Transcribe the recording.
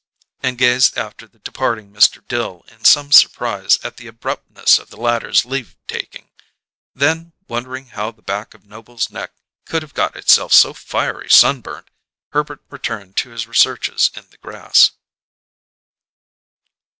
And gazed after the departing Mr. Dill in some surprise at the abruptness of the latter's leave taking. Then, wondering how the back of Noble's neck could have got itself so fiery sunburnt, Herbert returned to his researches in the grass.